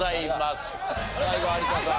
最後有田さん